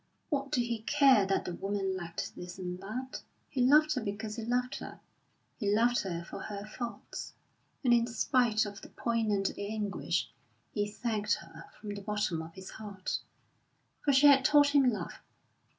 What did he care that the woman lacked this and that? He loved her because he loved her; he loved her for her faults. And in spite of the poignant anguish, he thanked her from the bottom of his heart, for she had taught him love.